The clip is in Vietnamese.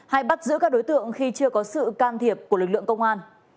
hay bắt giữ các đối tượng khi chưa có sự can thiệp của lực lượng công an